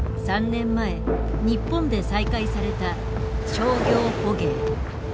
３年前日本で再開された商業捕鯨。